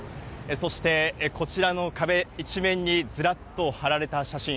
そして、こちらの壁一面にずらっと貼られた写真。